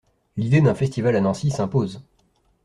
L'idée d'un festival à Nancy s'impose.